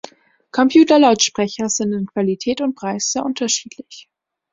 Computerlautsprecher sind in Qualität und Preis sehr unterschiedlich.